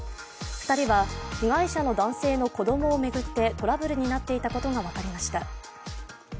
２人は被害者の男性の子供を巡ってトラブルになっていたことが分かりました。